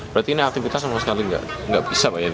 berarti ini aktivitas sama sekali nggak bisa pak ya